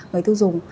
người tiêu dùng